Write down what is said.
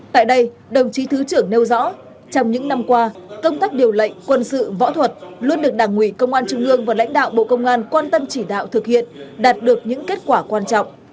tại đây đồng chí thứ trưởng nêu rõ trong những năm qua công tác điều lệnh quân sự võ thuật luôn được đảng ủy công an trung ương và lãnh đạo bộ công an quan tâm chỉ đạo thực hiện đạt được những kết quả quan trọng